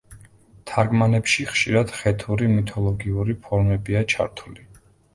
თარგმანებში ხშირად ხეთური მითოლოგიური ფორმებია ჩართული.